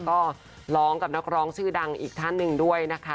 ก็ร้องกับนักร้องชื่อดังอีกท่านหนึ่งด้วยนะคะ